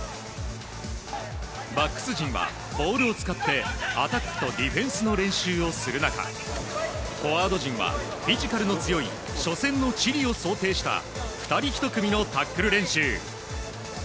バックス陣はボールを使ってアタックとディフェンスの練習をする中フォワード陣はフィジカルの強い初戦のチリを想定した２人１組のタックル練習。